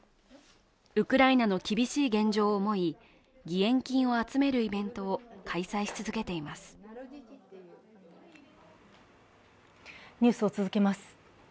ウクライナの厳しい現状を思い、義援金を集めるイベントを開催し続けています。